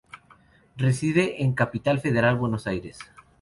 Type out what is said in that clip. Reside en Capital Federal, Buenos Aires.